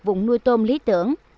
vùng nuôi tôm lý tưởng